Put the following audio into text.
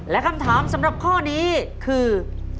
และคำถามสำหรับข้อนี้คือ